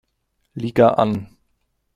Liga an.